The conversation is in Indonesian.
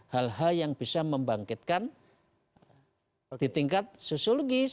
hal hal yang bisa membangkitkan di tingkat sosiologis